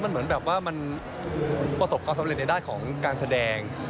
มันเหมือนแบบว่ามันประสบความสำเร็จในด้านของการแสดง